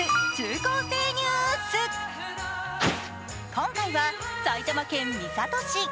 今回は、埼玉県三郷市。